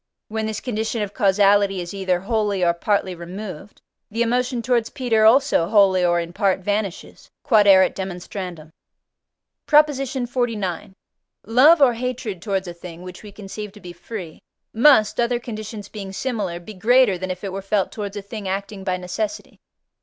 When this condition of causality is either wholly or partly removed, the emotion towards Peter also wholly or in part vanishes. Q.E.D. PROP. XLIX. Love or hatred towards a thing, which we conceive to be free, must, other conditions being similar, be greater than if it were felt towards a thing acting by necessity.